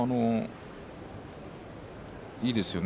いいですよね